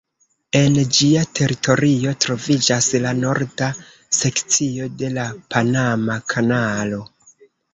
En ĝia teritorio troviĝas la norda sekcio de la Panama kanalo.